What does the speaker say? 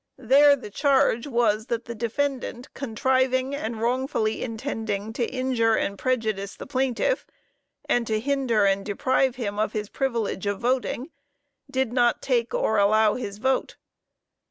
There the charge was 'that the defendant contriving and wrongfully intending to injure and prejudice the plaintiff, and to hinder and deprive him of his privilege of voting, did not take or allow his vote.'